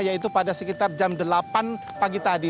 yaitu pada sekitar jam delapan pagi tadi